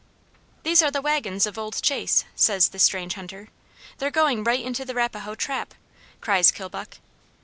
"These are the wagons of old Chase," says the strange hunter: "they're going right into the Rapahoe trap," cries Kilbuck.